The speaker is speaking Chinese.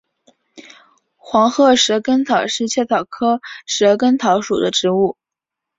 黄褐蛇根草是茜草科蛇根草属的植物。